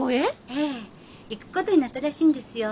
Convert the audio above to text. ええ。行くことになったらしいんですよ。